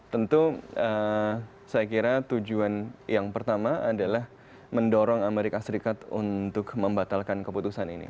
tentu saya kira tujuan yang pertama adalah mendorong amerika serikat untuk membatalkan keputusan ini